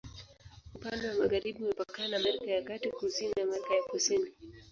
Upande wa magharibi imepakana na Amerika ya Kati, kusini na Amerika ya Kusini.